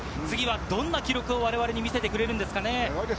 次はどんな記録を我々に見せてくれるんでしょうかね。